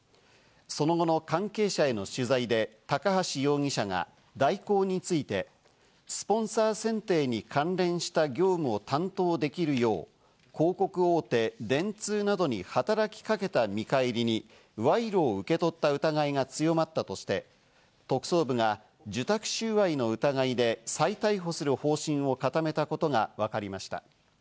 その後の関係者への取材で、高橋容疑者が大広について、スポンサー選定に関連した業務を担当できるよう広告大手・電通などに働きかけた見返りに、賄賂を受け取った疑いが強まったとして特捜部が受託収賄の疑いで再逮捕する方針を固めたことがわかりました。